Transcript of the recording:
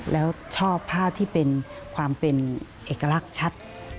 แล้วชอบภาพที่เป็นความเป็นเอกลักษณ์ชัด